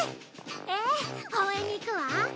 ええ応援に行くわ。